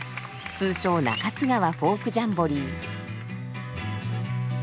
通称中津川フォークジャンボリー。